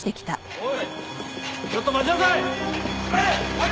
おい！